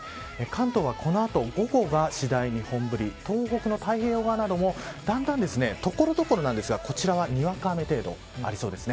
関東はこの後、午後が次第に本降り東北の太平洋側などもだんだんところどころなんですがこちらは、にわか雨程度ありそうです。